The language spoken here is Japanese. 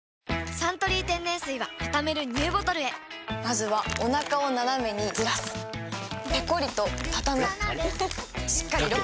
「サントリー天然水」はたためるＮＥＷボトルへまずはおなかをナナメにずらすペコリ！とたたむしっかりロック！